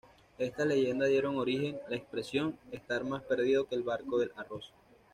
Estas leyendas dieron origen la expresión "estar más perdido que el barco del arroz.